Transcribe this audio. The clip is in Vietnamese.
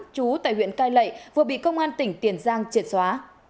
trú tại huyện cai lệ vừa bị công an tỉnh tiền giang triệt xóa